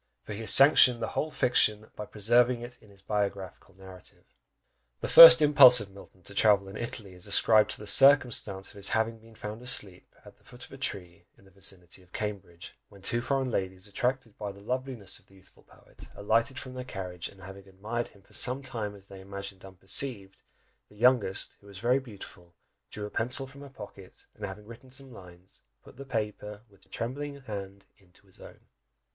for he has sanctioned the whole fiction, by preserving it in his biographical narrative! The first impulse of Milton to travel in Italy is ascribed to the circumstance of his having been found asleep at the foot of a tree in the vicinity of Cambridge, when two foreign ladies, attracted by the loveliness of the youthful poet, alighted from their carriage, and having admired him for some time as they imagined unperceived, the youngest, who was very beautiful, drew a pencil from her pocket, and having written some lines, put the paper with her trembling hand into his own!